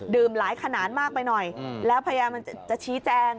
หลายขนาดมากไปหน่อยแล้วพยายามจะชี้แจง